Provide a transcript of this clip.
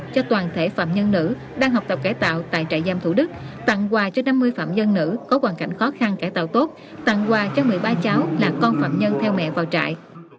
cho năm mươi phạm dân nữ có hoàn cảnh khó khăn cải tạo tốt tặng quà cho một mươi ba cháu là con phạm nhân theo mẹ vào trại